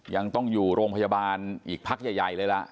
ยังต้องอยู่โรงพยาบาลอีกพักใหญ่เลยล่ะ